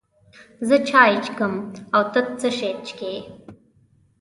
زه چای چکم، او ته څه شی چیکې؟